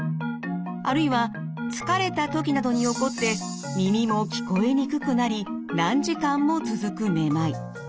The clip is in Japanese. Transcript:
あるいは疲れたときなどに起こって耳も聞こえにくくなり何時間も続くめまい。